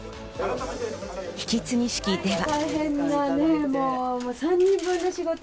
引き継ぎ式では。